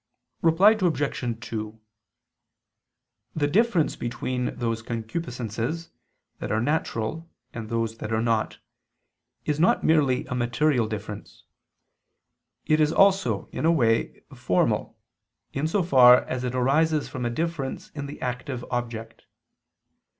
Reply Obj. 2: The difference between those concupiscences that are natural and those that are not, is not merely a material difference; it is also, in a way, formal, in so far as it arises from a difference in the active object.